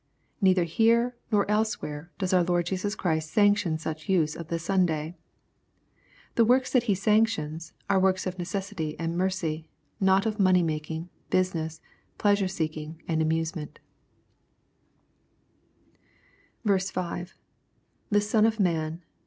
Neither here, nor elsewhere, does our Lord Jesus Christ sanction such use of the Sunday. The works that He sanctions, are works of necessity and mercy, n«t of money making, business, pleasure seeking, and amusement 5. — [The Son of 7nan.